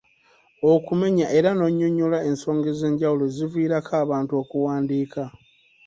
Okumenya era n'onnyonnyola ensonga ez'enjawulo eziviirako abantu okuwandiika.